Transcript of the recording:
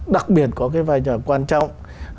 đặc biệt có cái vai trò quan trọng